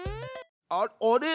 あっあれ？